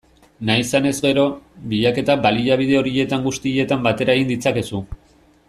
Nahi izanez gero, bilaketak baliabide horietan guztietan batera egin ditzakezu.